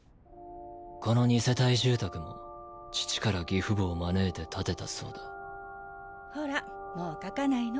この二世帯住宅も父から義父母を招いて建てたそうだほらもう掻かないの！